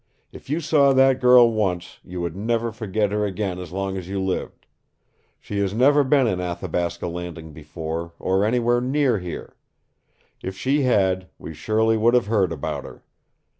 If you saw that girl once, you would never forget her again as long as you lived. She has never been in Athabasca Landing before, or anywhere near here. If she had, we surely would have heard about her.